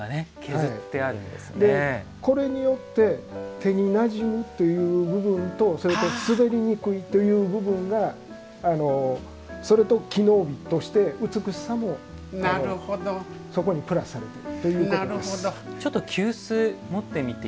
これによって手になじむという部分と滑りにくい部分がそれと機能美として美しさもそこのプラスされているということです。